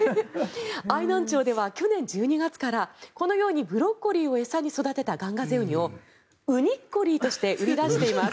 愛南町では去年１２月からブロッコリーを餌に育てたガンガゼウニをウニッコリーとして売り出しています。